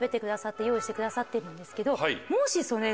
してくださってるんですけど。